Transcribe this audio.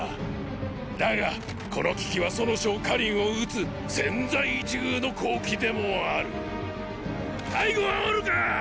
だがこの危機は楚の将燐を討つ千載一遇の好機でもある太呉はおるかァ！